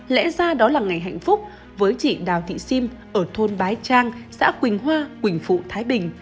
lẽ ra đó là ngày hạnh phúc với chị đào thị sim ở thôn bái trang xã quỳnh hoa quỳnh phụ thái bình